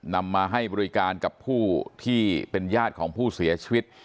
นำมาให้บริการกับผู้ที่เป็นญาติของผู้เสียชีวิต